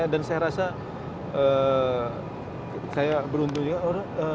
dan saya rasa saya beruntung juga